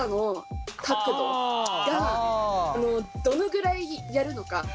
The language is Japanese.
どのぐらいやるのか。